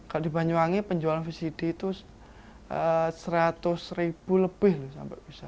kalau di banyuwangi penjualan vcd itu seratus ribu lebih loh sampai bisa